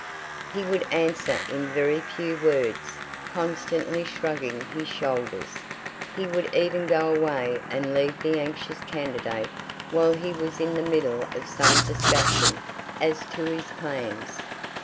He would answer in very few words, constantly shrugging his shoulders. He would even go away and leave the anxious candidate while he was in the middle of some discussion as to his plans.